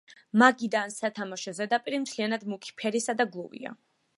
მაგიდა ან სათამაშო ზედაპირი მთლიანად მუქი ფერისა და გლუვია.